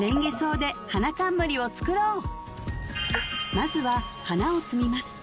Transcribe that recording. まずは花を摘みます